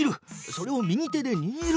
それを右手でにぎる。